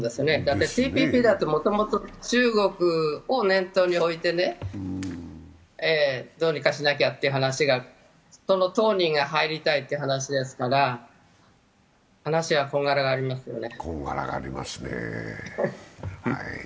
私、ＴＰＰだって、もともと中国を念頭に置いてどうにかしなきゃという話がその当人が入りたいという話ですから、話はこんがらがりますよね。